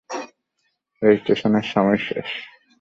রেজিস্ট্রেশনের সময় শেষ।